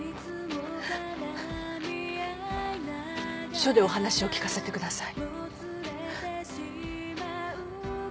・署でお話を聞かせてください。